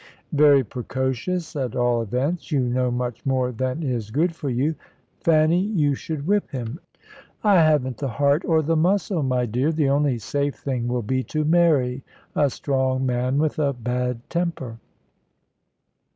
"Very precocious, at all events. You know much more than is good for you. Fanny, you should whip him." "I haven't the heart or the muscle, my dear. The only safe thing will be to marry a strong man with a bad temper."